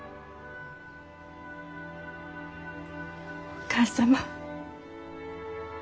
お義母様。